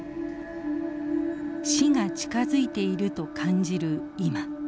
死が近づいていると感じる今。